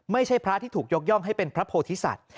ไม่ใช่พระที่ถูกยกย่องให้เป็นพระโพธิสัตว